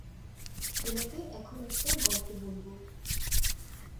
তোমাকে এখন একটা গল্প বলবো।